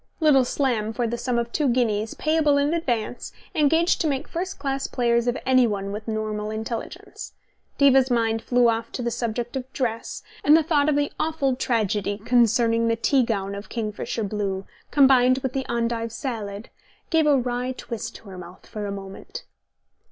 Little Slam, for the sum of two guineas, payable in advance, engaged to make first class players of anyone with normal intelligence. Diva's mind flew off to the subject of dress, and the thought of the awful tragedy concerning the tea gown of kingfisher blue, combined with the endive salad, gave a wry twist to her mouth for a moment.